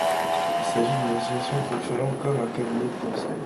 Il s'agit d'une association fonctionnant comme un cabinet de conseil.